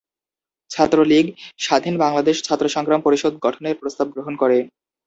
ছাত্রলীগ ‘স্বাধীন বাংলাদেশ ছাত্র সংগ্রাম পরিষদ’ গঠনের প্রস্তাব গ্রহণ করে।